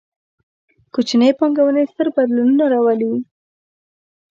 کوچنۍ پانګونې، ستر بدلونونه راولي